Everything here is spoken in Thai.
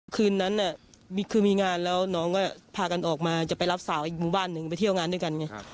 คืนนั้นคือมีงานแล้วน้องก็พากันออกมาจะไปรับสาวอีกหมู่บ้านหนึ่งไปเที่ยวงานด้วยกันไง